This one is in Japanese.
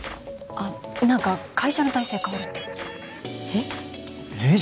あっ何か会社の体制変わるってえっ？えっ？